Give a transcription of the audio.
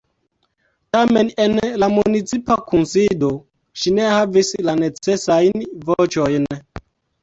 Tamen en la municipa kunsido ŝi ne havis la necesajn voĉojn.